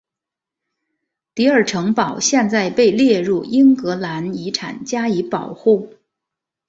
迪尔城堡现在被列入英格兰遗产加以保护。